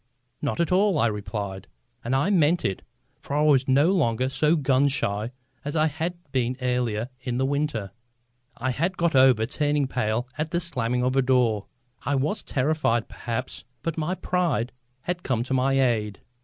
"Not at all," I replied. And I meant it. For I was no longer so gun shy as I had been earlier in the winter. I had got over turning pale at the slamming of a door. I was as terrified, perhaps, but my pride had come to my aid.